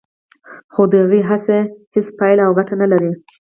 خو د هغه هڅې هیڅ پایله او ګټه نه لري